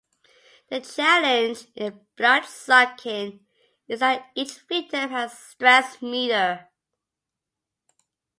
The challenge in bloodsucking is that each victim has a "stress meter".